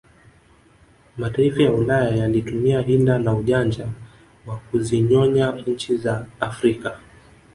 Mataifa ya ulaya yalitumia Hila na ujanja wa kuzinyonya nchi za Afrika